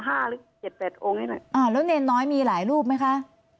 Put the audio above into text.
หรือเจ็ดแปดองค์นี่แหละอ่าแล้วเนรน้อยมีหลายรูปไหมคะ